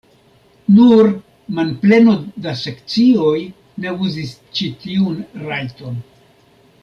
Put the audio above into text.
Nur manpleno da sekcioj ne uzis ĉi tiun rajton.